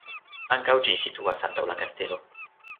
Ankaŭ ĝi situas antaŭ la kastelo.